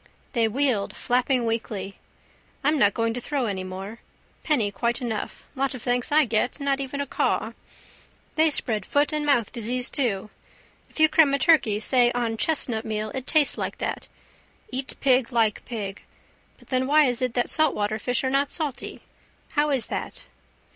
They wheeled flapping weakly. I'm not going to throw any more. Penny quite enough. Lot of thanks I get. Not even a caw. They spread foot and mouth disease too. If you cram a turkey say on chestnutmeal it tastes like that. Eat pig like pig. But then why is it that saltwater fish are not salty? How is that?